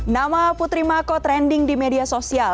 nama putri mako trending di media sosial